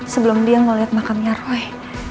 sebelum dia ngeliat makamnya roy